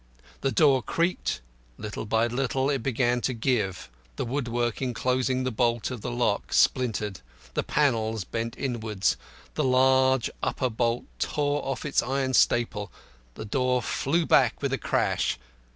The door creaked, little by little it began to give, the woodwork enclosing the bolt of the lock splintered, the panels bent inwards, the large upper bolt tore off its iron staple; the door flew back with a crash.